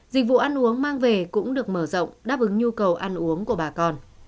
dịch vụ ăn uống mang về cũng được mở rộng đáp ứng nhu cầu ăn uống của bà con